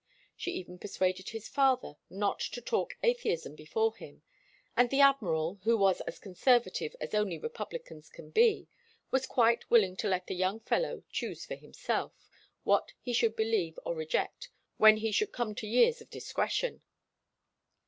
She even persuaded his father not to talk atheism before him; and the admiral, who was as conservative as only republicans can be, was quite willing to let the young fellow choose for himself what he should believe or reject when he should come to years of discretion.